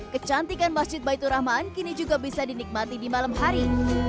kecantikan masjid baitur rahman kini juga bisa dinikmati di malam hari